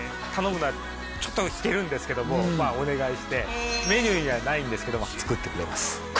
頼むのはちょっとひけるんですけどもまあお願いしてメニューにはないんですけども作ってくれます